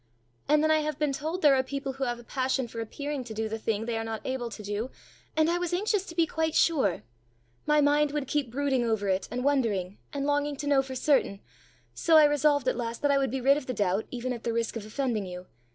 And then I have been told there are people who have a passion for appearing to do the thing they are not able to do, and I was anxious to be quite sure! My mind would keep brooding over it, and wondering, and longing to know for certain! So I resolved at last that I would be rid of the doubt, even at the risk of offending you.